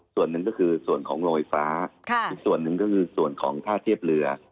ส่วนหนึ่งก็คือส่วนของโรงไฟฟ้าอีกส่วนหนึ่งก็คือส่วนของท่าเทียบเรือ